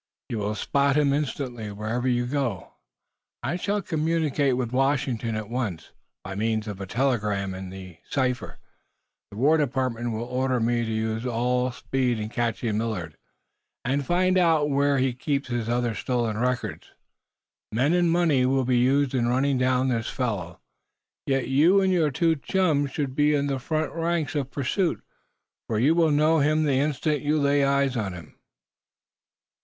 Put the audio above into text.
You will spot him instantly, wherever you go. I shall communicate with Washington, at once, by means of a telegram in cipher. The War Department will order me to use all speed in catching Millard, and in finding out where he keeps his other stolen records. Men and money will be used in running down this fellow. Yet you and your two chums should be in the front ranks of pursuit, for you will know him the instant you lay eyes on him."